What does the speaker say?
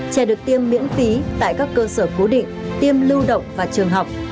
trẻ được tiêm miễn phí tại các cơ sở cố định tiêm lưu động và trường học